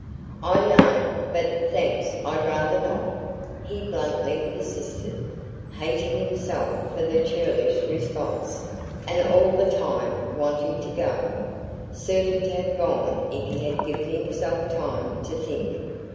"I know. But thanks I'd rather not," he bluntly persisted, hating himself for the churlish response, and all the time wanting to go certain to have gone if he had given himself time to think.